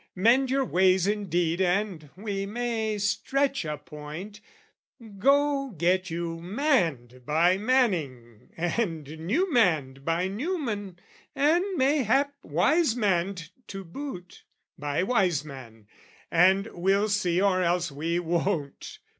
Mend "Your ways indeed and we may stretch a point: "Go get you manned by Manning and new manned "By Newman and, mayhap, wise manned to boot "By Wiseman, and we'll see or else we won't!